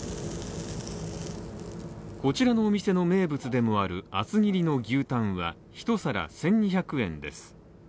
こちらのお店の名物でもある厚切りの牛タンはひと皿１２００円です。